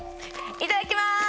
いただきまーす！